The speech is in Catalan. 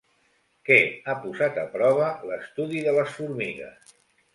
Què ha posat a prova l'estudi de les formigues?